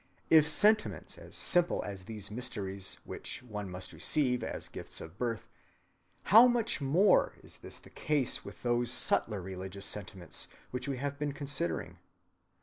If sentiments as simple as these are mysteries which one must receive as gifts of birth, how much more is this the case with those subtler religious sentiments which we have been considering!